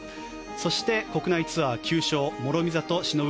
そして国内ツアー９勝諸見里しのぶ